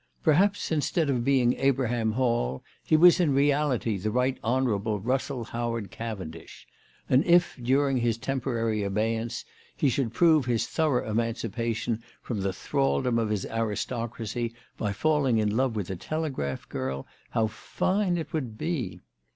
Perhaps instead of being Abraham Hall he was in reality the Right Honourable Eussell Howard Cavendish ; and if, during his tem porary abeyance, he should prove his thorough emanci pation from the thraldom of his aristocracy by falling in love with a telegraph girl, how fine it would be